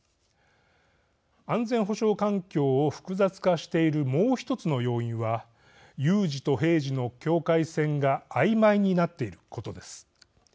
安全保障環境を複雑化しているもう１つの要因は有事と平時の境界線があいまいになっていることです。